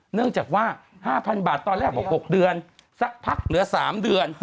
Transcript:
เนื่องจากว่า๕๐๐๐บาทตอนแรกบอก๖เดือนสักพักเหลือ๓เดือน